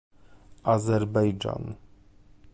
Azerbejdżan